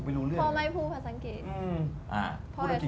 แค่นี้